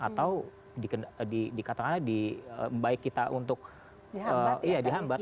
atau dikatakanlah di baik kita untuk dihambat